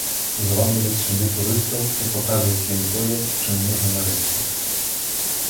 Завабліваць сюды турыстаў і паказваць ім тое, чым мы ганарымся.